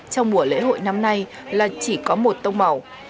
trong mùa lễ hội năm nay là chỉ có một tông màu